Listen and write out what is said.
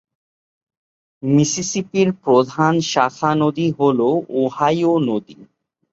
মিসিসিপির প্রধান শাখা নদী হল ওহাইও নদী।